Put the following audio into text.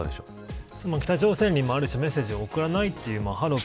北朝鮮にもある種メッセージを送らないというハロー。